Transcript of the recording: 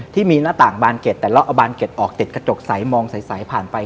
ที่มีหน้าต่างบานเก็ดแต่เราเอาบานเก็ตออกติดกระจกใสมองใสผ่านไป